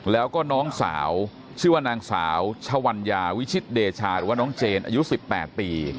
แล้วก็น้องสาวชื่อว่านางสาวชวัญญาวิชิตเดชาหรือว่าน้องเจนอายุ๑๘ปี